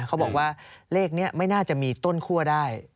เขาบอกว่าเลขนี้ไม่น่าจะมีต้นคั่วได้